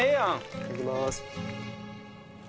いただきます。